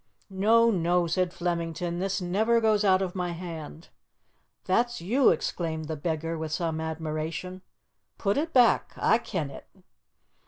"No, no," said Flemington, "this never goes out of my hand." "That's you!" exclaimed the beggar, with some admiration. "Put it back. A' ken it."